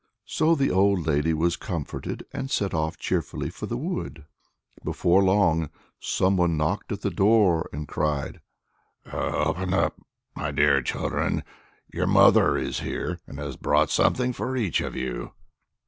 So the old lady was comforted, and set off cheerfully for the wood. Before long, some one knocked at the door, and cried, "Open, open, my dear children; your mother is here, and has brought something for each of you."